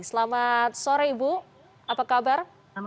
selamat sore ibu apa kabar